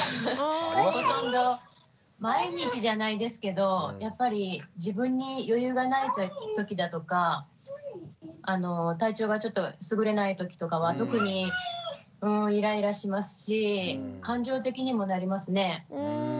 ほとんど毎日じゃないですけどやっぱり自分に余裕がない時だとか体調がちょっとすぐれない時とかは特にイライラしますし感情的にもなりますね。